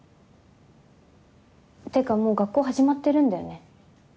ていうかもう学校始まってるんだよね。